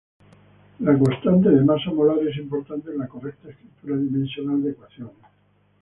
La constante de masa molar es importante en la correcta escritura dimensional de ecuaciones.